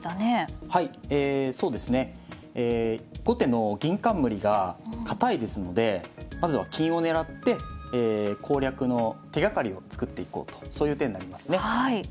後手の銀冠が堅いですのでまずは金を狙って攻略の手がかりを作っていこうとそういう手になりますね。